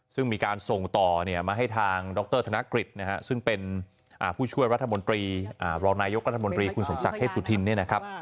ซึ่งมีการส่งต่อมาให้ทางดรธนกฤษซึ่งเป็นผู้ช่วยรัฐบนตรีรองนายกรัฐบนตรีคุณสมศักดิ์เทพสุธิน